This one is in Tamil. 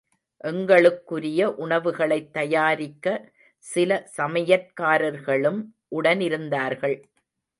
எங்களுக்குரிய உணவுகளைத் தயாரிக்க சில சமையற்காரர்களும் உடனிருந்தார்கள்.